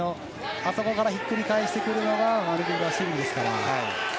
あそこからひっくり返してくるのがマルクベラシュビリですから。